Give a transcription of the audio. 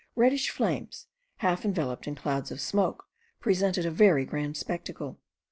Reddish flames, half enveloped in clouds of smoke, presented a very grand spectacle.